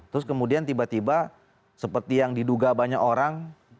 terus kemudian tiba tiba seperti yang diduga banyak orang